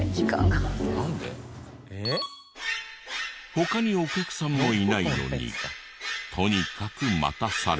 他にお客さんもいないのにとにかく待たされ。